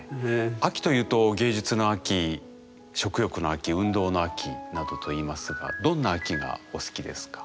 秋というと芸術の秋食欲の秋運動の秋などといいますがどんな秋がお好きですか？